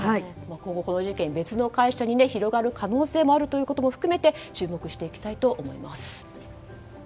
今後この事件別の会社に広がる可能性もあるということも含めて注目していきたいと思います。